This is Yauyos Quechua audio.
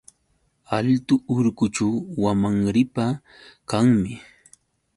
Altu urqućhu wamanripa kanmi.